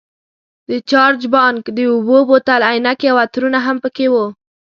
د چارج بانک، د اوبو بوتل، عینکې او عطرونه هم پکې وو.